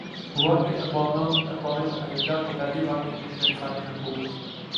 ہوا کہ اقوام متحدہ کو پہلی بار کشمیرمیں انسانی حقوق